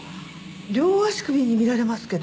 両足首に見られますけど。